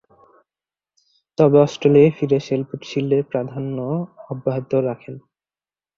তবে, অস্ট্রেলিয়ায় ফিরে শেফিল্ড শিল্ডে প্রাধান্য অব্যাহত রাখেন।